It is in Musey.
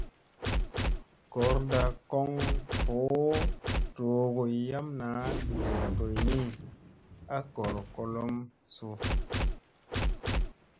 Goorda kon voo doogo yam naa dew doyni a goor kolom su ?